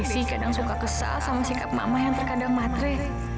desi kadang suka kesal sama singkat mama yang terkadang matre